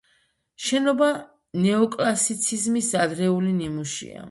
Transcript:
შენობა ნეოკლასიციზმის ადრეული ნიმუშია.